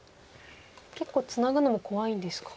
結構ツナぐのも怖いんですか。